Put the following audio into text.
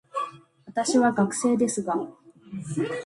私は学生ですが、